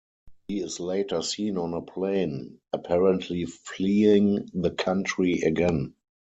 He is later seen on a plane, apparently fleeing the country again.